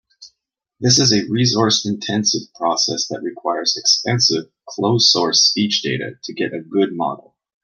This is a resource-intensive process that requires expensive closed-source speech data to get a good model.